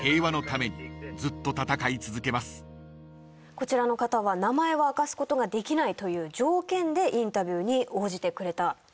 こちらの方は名前は明かすことができないという条件でインタビューに応じてくれたということです。